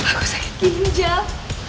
bagus sakit ginjal